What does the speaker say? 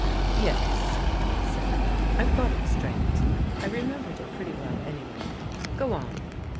" Yes," said I, " I've got it straight. I remem bered it pretty well anyway. Go on."